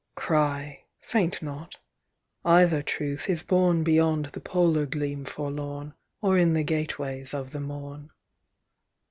"Cry, faint not: either Truth is born Beyond the polar gleam forlorn, Or in the gateways of the morn.